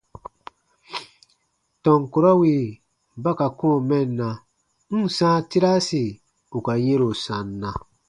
Tɔn kurɔ wì ba ka kɔ̃ɔ mɛnna, n ǹ sãa tiraasi ù ka yɛ̃ro sanna.